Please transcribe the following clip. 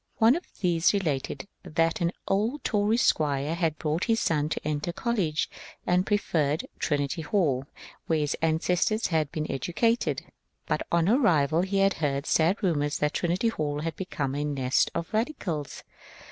One of these related that an old Tory squire had brought his son to enter college, and preferred Trinity Hall, where his ancestors had been educated. But on arrival her had heard sad rumotirs that Trinity Hall had become a nest of radicals.